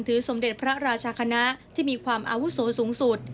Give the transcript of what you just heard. สมเด็จพระราชคณะที่มีความอาวุโสสูงสุด